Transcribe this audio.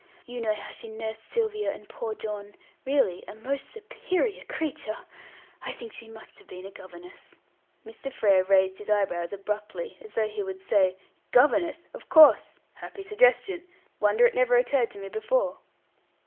You know how she nursed Sylvia and poor John. Really a most superior creature. I think she must have been a governess." Mr. Frere raised his eyebrows abruptly, as though he would say, Governess! Of course. Happy suggestion. Wonder it never occurred to me before.